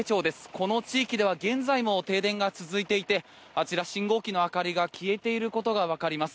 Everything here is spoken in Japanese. この地域では現在も停電が続いていてあちら、信号機の明かりが消えていることがわかります。